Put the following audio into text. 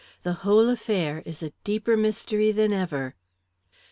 The whole affair is a deeper mystery than ever."